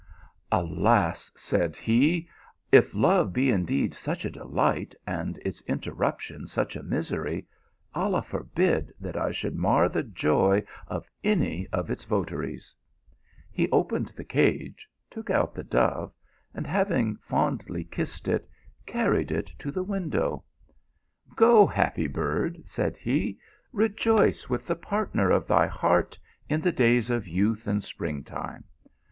" Alas !" said he, " if love be indeed such a de light, and its interruption such a misery, Allah for bid that I should mar the joy of any of its votaries." 198 THE ALHAMBRA. He opened the cage, took out the dove, and, having fondly kissed it, carried it to the window. " Go. happy bird," said he, "rejoice with the partner ot thy heart in the days of youth and spring time.